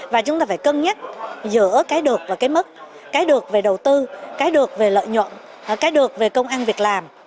và chúng ta phải cân nhắc giữa cái được và cái mức cái được về đầu tư cái được về lợi nhuận cái được về công ăn việc làm